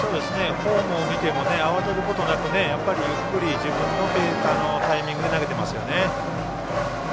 フォームを見ても慌てることなく自分のタイミングで投げてますよね。